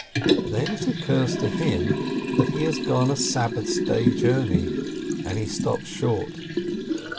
Then it occurs to him that he has gone a Sabbath day's journey, and he stops short.